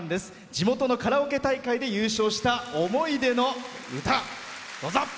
地元のカラオケ大会で優勝した思い出の歌。